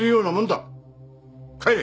帰れ。